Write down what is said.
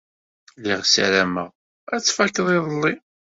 Lliɣ ssarameɣ ad t-fakeɣ iḍelli.